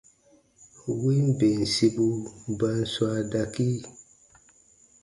Win bensibu ba n swaa dakii.